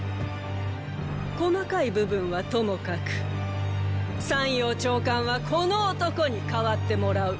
細かい部分はともかく山陽長官はこの男に代わってもらう。